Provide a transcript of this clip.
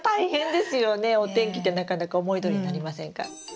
お天気ってなかなか思いどおりになりませんから。